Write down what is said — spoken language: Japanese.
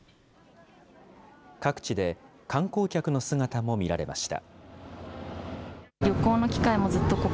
各地で観光客の姿も見られました。